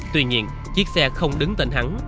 tuy nhiên chiếc xe không đứng tên hắn